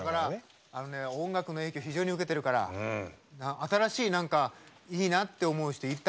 音楽の影響を非常に受けてるから新しい、いいなって思う人いた？